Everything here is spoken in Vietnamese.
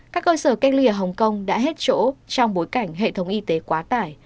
các cơ sở cách ly ở hồng kông đã hết chỗ trong bối cảnh hệ thống y tế quá tải